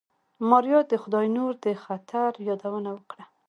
ماريا د خداينور د خطر يادونه وکړه.